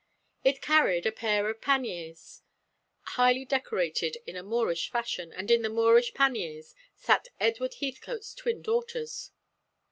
It carried a pair of panniers, highly decorated in a Moorish fashion, and in the Moorish panniers sat Edward Heathcote's twin daughters.